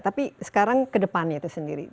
tapi sekarang ke depannya itu sendiri